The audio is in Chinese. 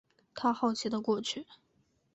他好奇的过去